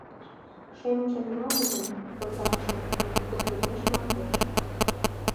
Шем Чернобыльын возакшым пургедеш мардеж.